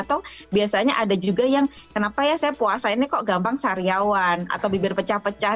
atau biasanya ada juga yang kenapa ya saya puasa ini kok gampang sariawan atau bibir pecah pecah